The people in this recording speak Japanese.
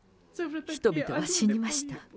人々は死にました。